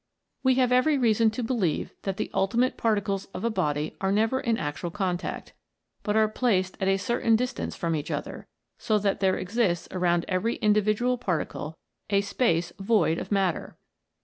We have every reason to believe that the ultimate particles of a body are never in actual contact, but are placed at a certain distance from each other, so that there exists around every individual particle a space void of matter.